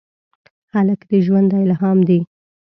هلک د ژونده الهام دی.